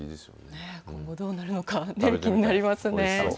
今後どうなるのか、気になりますね。